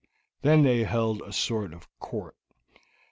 Then they held a sort of court.